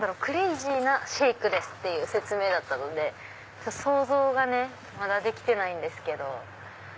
クレイジーなシェイクっていう説明だったので想像がねまだできてないんですけど。